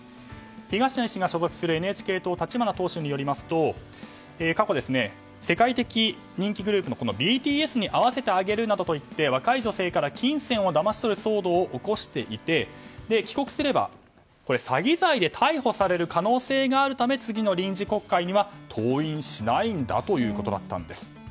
東谷氏が所属するＮＨＫ党の立花党首によりますと過去、世界的人気グループのＢＴＳに会わせてあげるなどと言って若い女性から金銭をだまし取る騒動を起こしていて帰国すれば詐欺罪で逮捕される可能性があるため次の臨時国会には登院しないんだということです。